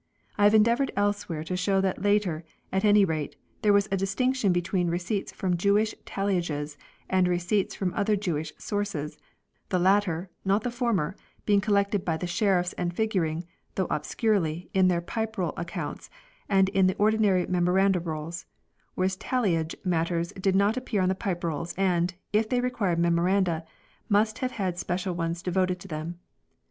1 I have endeavoured elsewhere 2 to show that later, at any rate, there was a distinction between Receipts from Jewish talliages and Receipts from other Jewish sources ; the latter (not the former) being collected by the sheriffs and figuring, though obscurely, 3 in their Pipe Roll accounts and in the ordinary Memoranda Rolls ; whereas talliage matters did not appear on the Pipe Rolls and, if they required Memoranda, must have had special ones devoted to them.